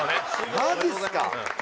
マジっすか。